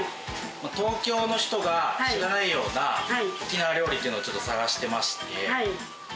東京の人が知らないような沖縄料理っていうのをちょっと探してまして。